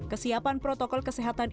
kesiapan protokol kesehatan